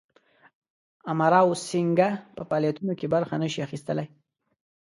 امراو سینګه په فعالیتونو کې برخه نه سي اخیستلای.